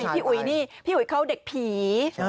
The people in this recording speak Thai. พี่อุ๋ยเขาเด็กผี